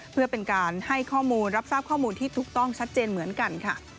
เพื่อเป็นการให้ข้อมูลรับทราบข้อมูลที่ถูกต้องชัดเจนเหมือนกันค่ะ